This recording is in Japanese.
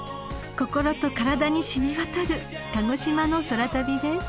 ［心と体に染み渡る鹿児島の空旅です］